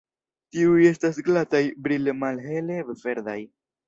Tiuj estas glataj, brile malhele verdaj.